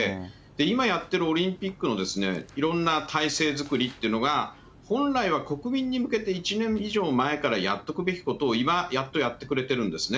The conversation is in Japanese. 今やってるオリンピックのいろんな体制作りってのが、本来は国民に向けて、１年以上前からやっとくべきことを、今、やっとやってくれてるんですね。